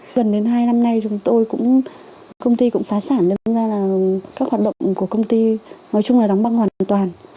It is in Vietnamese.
gần đến hai năm nay chúng tôi cũng công ty cũng phá sản đưa ra là các hoạt động của công ty nói chung là đóng băng hoàn toàn